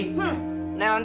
tanta juga canggih